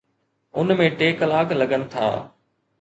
ان ۾ ٽي ڪلاڪ لڳن ٿا.